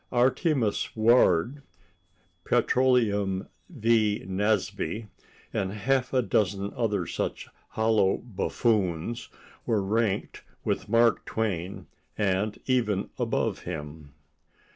Artemus Ward, Petroleum V. Nasby and half a dozen other such hollow buffoons were ranked with Mark Twain, and even above him.